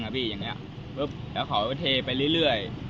โครงในค่าเทไปเรื่อย